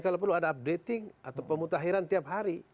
kalau perlu ada updating atau pemutahiran tiap hari